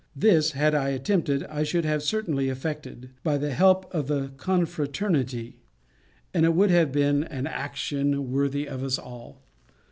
This, had I attempted, I should have certainly effected, by the help of the confraternity: and it would have been an action worthy of us all.